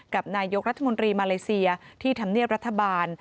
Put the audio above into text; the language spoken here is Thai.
กับนายกรัฐมนตรีมาเลเซียที่ธรรมเนียบรัฐบาล